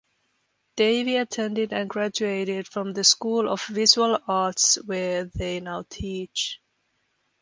Davy attended and graduated from the School of Visual Arts where they now teach.